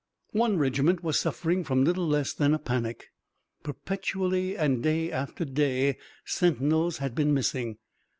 One regiment was suffering from little less than a panic. Perpetually and day after day sentinels had been missing.